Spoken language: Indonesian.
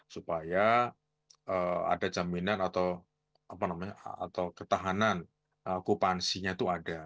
supaya ada jaminan atau ketahanan okupansinya itu ada